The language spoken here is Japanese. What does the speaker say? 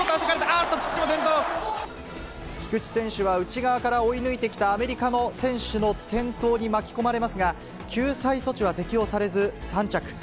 ちょっと、あっと、菊池選手は内側から追い抜いてきたアメリカの選手の転倒に巻き込まれますが、救済措置は適用されず、３着。